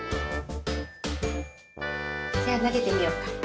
じゃあなげてみようか。